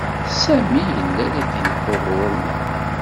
Sami yella la d-ileḥḥu ɣur-neɣ.